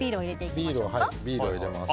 ビールを入れます。